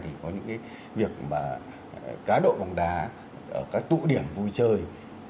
thì có những cái việc mà cá độ bóng đá ở các tụ điểm vui chơi